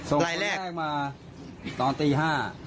รายแรกส่งตอนแรกมาตอนตี๕น